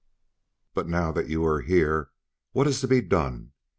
"But now that you are here, what is to be done?